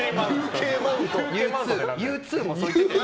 Ｕ２もそう言ってたよ。